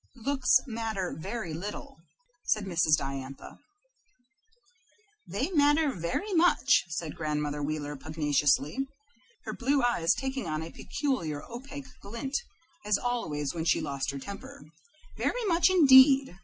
"Looks matter very little," said Mrs. Diantha. "They matter very much," said Grandmother Wheeler, pugnaciously, her blue eyes taking on a peculiar opaque glint, as always when she lost her temper, "very much indeed.